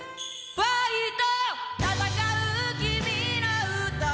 ファイト！